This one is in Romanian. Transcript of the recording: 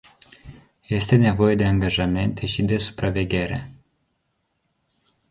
Este nevoie de angajamente și de supraveghere.